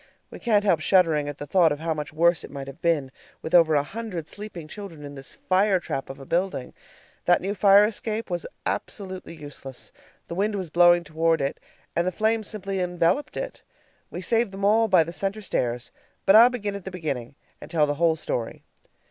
We can't help shuddering at the thought of how much worse it might have been, with over a hundred sleeping children in this firetrap of a building. That new fire escape was absolutely useless. The wind was blowing toward it, and the flames simply enveloped it. We saved them all by the center stairs but I'll begin at the beginning, and tell the whole story.